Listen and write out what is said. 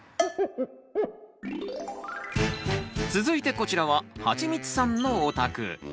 続いてこちらははちみつさんのお宅。